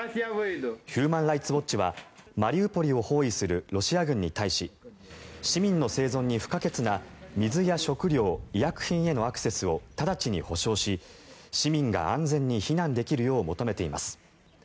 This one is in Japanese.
ヒューマン・ライツ・ウォッチはマリウポリを包囲するロシア軍に対し市民の生存に不可欠な水や食料、医薬品へのアクセスを直ちに保証し市民が安全に避難できるよう求めています。